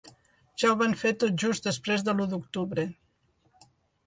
Ja ho van fer tot just després de l’u d’octubre.